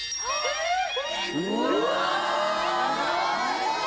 うわ！